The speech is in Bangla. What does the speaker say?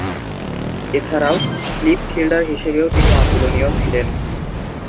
এছাড়াও, স্লিপ ফিল্ডার হিসেবেও তিনি অতুলনীয় ছিলেন।